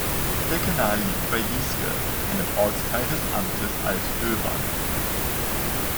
Der Kanal liegt bei Lieske, einem Ortsteil des Amtes Altdöbern.